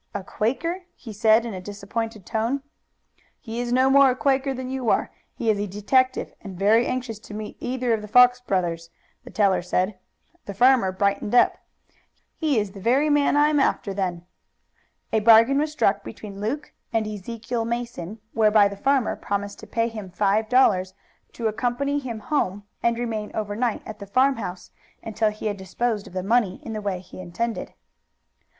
"A Quaker?" he said in a disappointed tone. "He is no more a Quaker than you are. He is a detective, and very anxious to meet either of the Fox brothers." The farmer brightened up. "He's the man I'm after, then." A bargain was struck between Luke and Ezekiel Mason whereby the farmer promised to pay him five dollars to accompany him home and remain overnight at the farmhouse until he had disposed of the money in the way he intended.